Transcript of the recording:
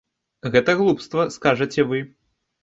Гэта глупства, скажаце вы.